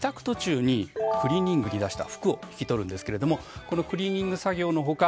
途中にクリーニングに出した服を引き取るんですがこのクリーニング作業の他